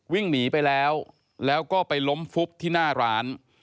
วิ่งหนีไปแล้วแล้วก็ไปล้มฟุบที่หน้าร้าน